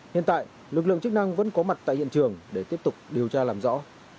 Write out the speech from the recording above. hiện tại lực lượng chức năng vẫn có mặt tại hiện trường để tiếp tục điều tra làm rõ